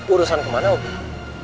urusan kemana ubi